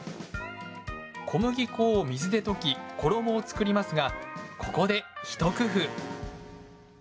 小麦粉を水で溶き衣を作りますがここで一工夫。